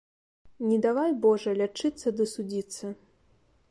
Не давай, Божа, лячыцца ды судзіцца